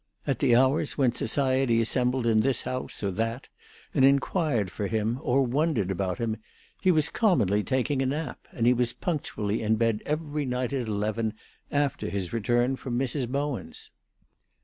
At the hours when society assembled in this house or that and inquired for him, or wondered about him, he was commonly taking a nap, and he was punctually in bed every night at eleven, after his return from Mrs. Bowen's.